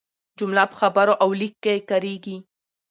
جمله په خبرو او لیک کښي کاریږي.